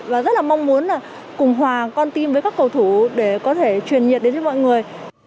và rất là mong muốn là cùng hòa con tim với các cầu thủ để có thể truyền nhiệt đến cho mọi người